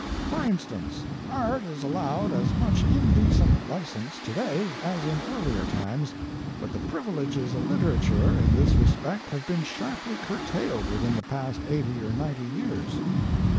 For instance, Art is allowed as much indecent license to day as in earlier times but the privileges of Literature in this respect have been sharply curtailed within the past eighty or ninety years.